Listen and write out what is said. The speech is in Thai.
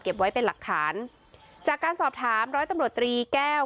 ไว้เป็นหลักฐานจากการสอบถามร้อยตำรวจตรีแก้ว